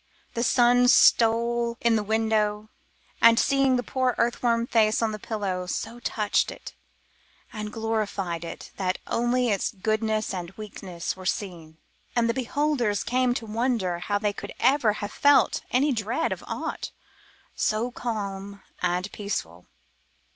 The sun stole in at the window, and seeing the poor earth worn face on the pillow so touched it and glorified it that only its goodness and weakness were seen, and the beholders came to wonder how they could ever have felt any dread of aught so calm and peaceful.